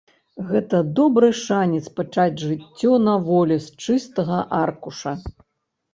Гэта добры шанец пачаць жыццё на волі з чыстага аркуша.